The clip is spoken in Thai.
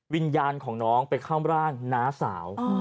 วิญญาณของน้องไปเข้าร่างน้าสาว